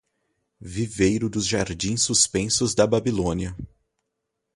Viveiro dos jardins suspensos da Babilônia